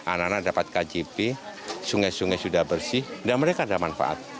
anak anak dapat kjp sungai sungai sudah bersih dan mereka ada manfaat